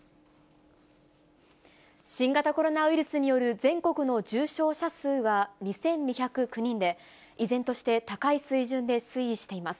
新型コロナウイルスによる重症者数は２２０９人で、依然として高い水準で推移しています。